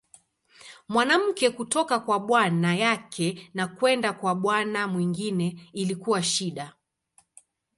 Mwanamke kutoka kwa bwana yake na kwenda kwa bwana mwingine ilikuwa shida.